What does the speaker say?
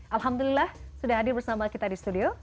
alhamdulillah sudah hadir bersama kita di studio